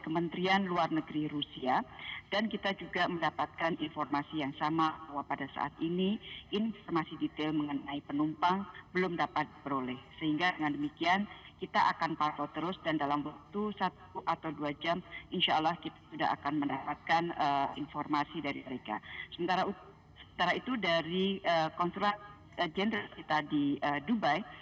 kementerian luar negeri dan saya sendiri juga sudah melakukan komunikasi baik dengan kbri kita di moskow maupun dengan konsulat jenderal kita di dubai